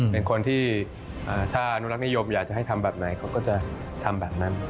เป็นคนที่ถ้าอนุรักษ์นิยมอยากจะให้ทำแบบไหนเขาก็จะทำแบบนั้น